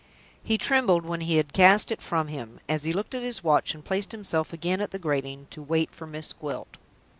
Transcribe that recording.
He trembled when he had cast it from him, as he looked at his watch and placed himself again at the grating to wait for Miss Gwilt.